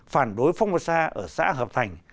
phản đối phong vật xa ở xã hợp thành